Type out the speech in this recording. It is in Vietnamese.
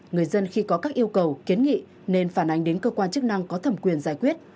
người dân khi có các yêu cầu kiến nghị nên phản ánh đến cơ quan chức năng có thẩm quyền giải quyết